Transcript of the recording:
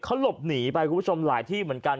เขาหลบหนีไปคุณผู้ชมหลายที่เหมือนกัน